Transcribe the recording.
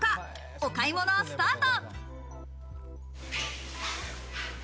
お買い物スタート。